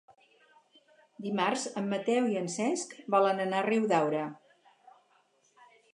Dimarts en Mateu i en Cesc volen anar a Riudaura.